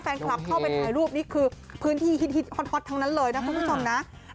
แฟนคลับเข้าไปถ่ายรูปนี่คือพื้นที่ฮิตฮอตทั้งนั้นเลยนะคุณผู้ชมนะ